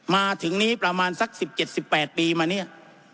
มาถึงนี้ประมาณสักสิบเจ็ดสิบแปดปีมาเนี่ย